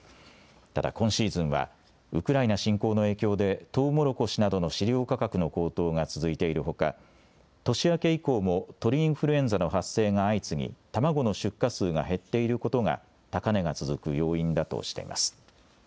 ただ、今シーズンは、ウクライナ侵攻の影響で、とうもろこしなどの飼料価格の高騰が続いているほか、年明け以降も鳥インフルエンザの発生が相次ぎ、卵の出荷数が減っていることが、高値が続く要因だとしています。